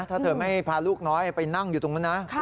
ถ้าเธอไม่พาลูกน้อยไปนั่งอยู่ตรงนั้นนะ